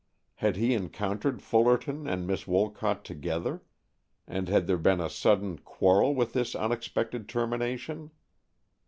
Had he encountered Fullerton and Miss Wolcott together, and had there been a sudden quarrel with this unexpected termination?